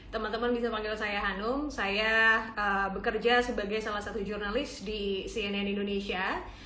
teman teman bisa panggil saya hanum saya bekerja sebagai salah satu jurnalis di cnn indonesia